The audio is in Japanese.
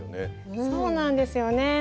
そうなんですよね。